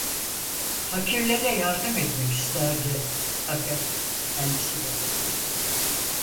Fakirlere yardım etmek isterdi, fakat kendisi de fakirdi.